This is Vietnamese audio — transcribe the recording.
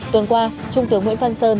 tuần qua trung tướng nguyễn văn sơn